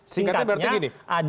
singkatnya berarti gini